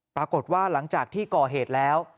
ปรากฏว่าหลังจากที่ก่อเหตุแล้ว